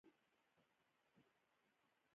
غول د نس د غږ ژبه ده.